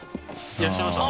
いらっしゃいました。